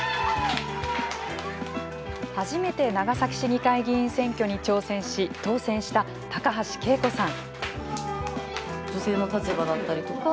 初めて長崎市議会議員選挙に挑戦し当選した高橋佳子さん。